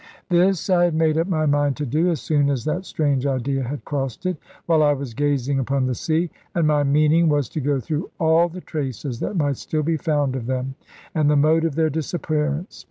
This I had made up my mind to do, as soon as that strange idea had crossed it, while I was gazing upon the sea; and my meaning was to go through all the traces that might still be found of them, and the mode of their disappearance.